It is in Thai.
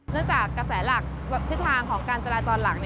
เนื่องจากกระแสหลักทิศทางของการจรายตอนหลัก